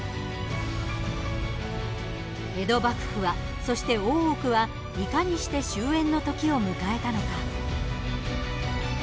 江戸幕府は、そして大奥はいかにして終えんの時を迎えたのか。